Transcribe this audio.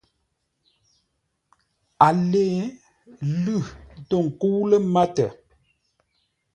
A lê, lʉ̂ tô ńkə́u lə́ mátə lə́wó.